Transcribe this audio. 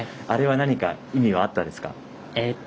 あれは何か意味があったんですか？